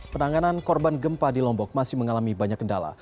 penanganan korban gempa di lombok masih mengalami banyak kendala